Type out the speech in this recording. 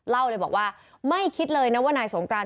เล่าเลยบอกว่าไม่คิดเลยนะว่านายสงกราน